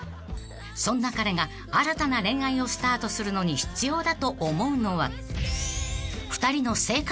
［そんな彼が新たな恋愛をスタートするのに必要だと思うのは］